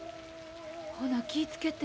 ほな気ぃ付けて。